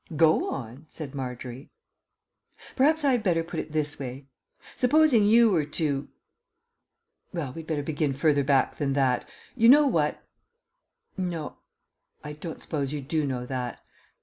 "Go on," said Margery. "Perhaps I had better put it this way. Supposing you were to Well, we'd better begin further back than that. You know what No, I don't suppose you do know that.